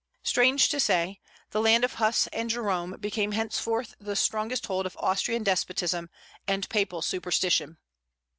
Strange to say, the land of Huss and Jerome became henceforth the strongest hold of Austrian despotism and papal superstition.